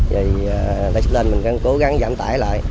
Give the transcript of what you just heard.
vì tại sự lên mình cố gắng giảm tải lại